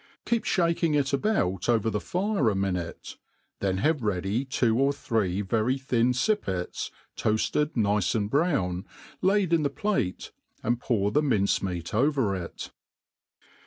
Keep Ihaking it about over the (ire a minute \ then have ready two or three very thin fippets, toafied nice and brown, laid in the plate, and pour the mince^meat over it.